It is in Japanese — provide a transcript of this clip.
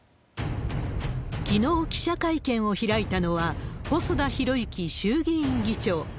きのう、記者会見を開いたのは、細田博之衆議院議長。